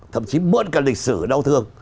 thậm chí mượn cả lịch sử đau thương